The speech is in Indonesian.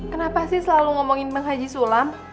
kenapa sih selalu ngomongin tentang haji sulam